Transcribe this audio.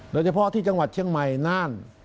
โดยเฉพาะที่จังหวัดเชียงใหม่น่าน